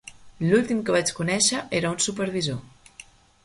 L'últim que vaig conèixer era un supervisor.